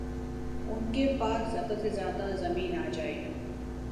ان کے پاس زیادہ سے زیادہ زمین آجائے